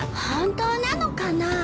本当なのかな？